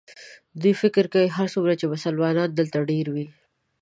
دوی فکر کوي هرڅومره چې مسلمانان دلته ډېر وي.